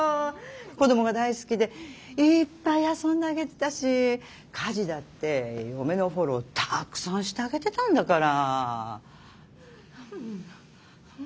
子供が大好きでいっぱい遊んであげてたし家事だって嫁のフォローたくさんしてあげてたんだから。